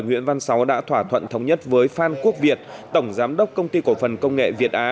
nguyễn văn sáu đã thỏa thuận thống nhất với phan quốc việt tổng giám đốc công ty cổ phần công nghệ việt á